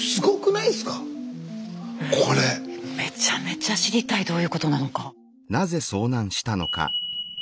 めちゃめちゃ知りたいどういうことなのか。